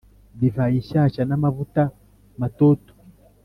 divayi nshyashya n’amavuta matoto;